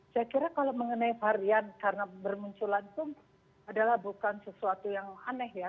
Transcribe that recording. saya kira kalau mengenai varian karena bermunculan itu adalah bukan sesuatu yang aneh ya